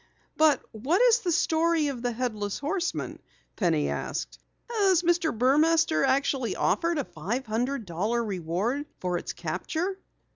"But what is the story of the Headless Horseman?" Penny asked. "Has Mr. Burmaster actually offered a five hundred dollar reward for its capture?"